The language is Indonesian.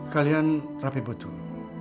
kalian rapi betul